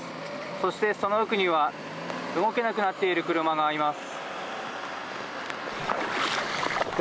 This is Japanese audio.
そして、その奥には動けなくなっている車があります。